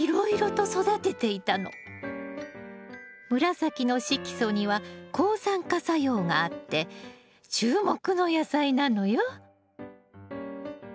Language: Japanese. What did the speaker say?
紫の色素には抗酸化作用があって注目の野菜なのよ。